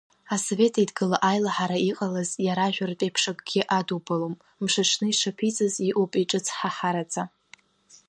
Асовет Еидгыла аилаҳара иҟалаз иаражәыртә еиԥш акгьы адубалом, мшаҽны ишаԥиҵаз иҟоуп иҿыцҳҳараӡа.